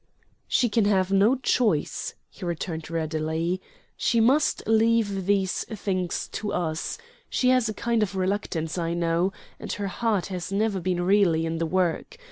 "She can have no choice," he returned readily. "She must leave these things to us. She has a kind of reluctance, I know, and her heart has never been really in the work.